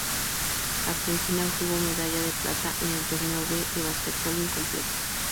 Argentina obtuvo medalla de plata en el torneo B de básquetbol incompleto.